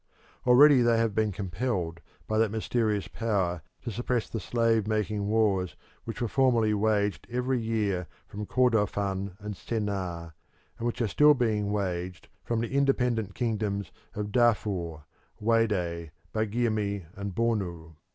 Already they have been compelled by that mysterious power to suppress the slave making wars which were formerly waged every year from Kordofan and Sennaar, and which are still being waged from the independent kingdoms of Darfur, Waday, Bagirmi, and Bornu.